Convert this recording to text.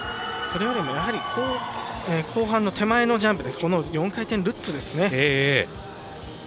それよりも後半の手前のジャンプこの４回転ルッツですね